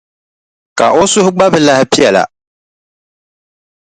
Ka o suhu gba bi lahi piɛla.